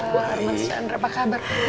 mas chandra apa kabar